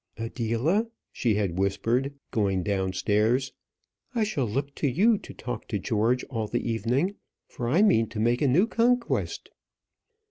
"Adela," she had whispered, going downstairs, "I shall look to you to talk to George all the evening, for I mean to make a new conquest."